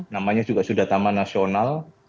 namanya juga sudah taman nasional